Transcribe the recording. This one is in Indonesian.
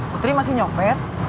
putri masih nyoper